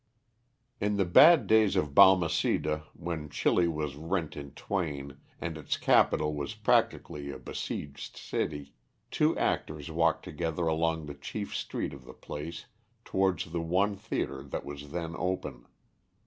In the bad days of Balmeceda, when Chili was rent in twain, and its capital was practically a besieged city, two actors walked together along the chief street of the place towards the one theatre that was then open.